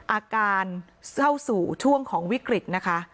อาการเศร้าสู่ช่วงของวิกฤตนะคะ